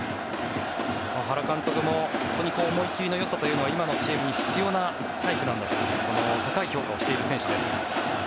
原監督も本当に思い切りのよさというのは今のチームに必要なんだと高い評価をしている選手です。